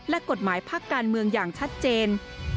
และกฎหมายภาคการเมืองอย่างชัดเจน